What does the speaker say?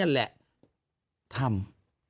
นั่นแหละทำ